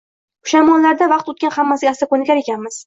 Pushaymonlarda vaqt oʻtgach hammasiga asta koʻnikar ekanmiz